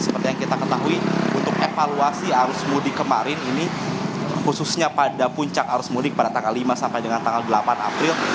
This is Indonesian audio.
seperti yang kita ketahui untuk evaluasi arus mudik kemarin ini khususnya pada puncak arus mudik pada tanggal lima sampai dengan tanggal delapan april